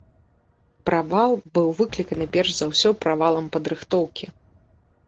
Правал быў выкліканы перш за ўсё правалам падрыхтоўкі.